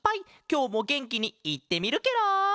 きょうもげんきにいってみるケロ！